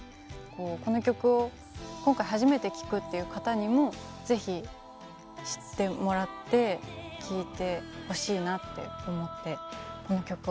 こうこの曲を今回初めて聴くっていう方にも是非知ってもらって聴いてほしいなって思ってこの曲を選びました。